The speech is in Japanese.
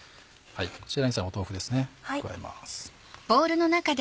こちらに豆腐ですね加えます。